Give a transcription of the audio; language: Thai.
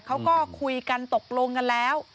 เขาก็คุยกันตกลงกันแล้ว